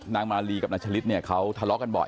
มาลีกับนายชะลิดเนี่ยเขาทะเลาะกันบ่อย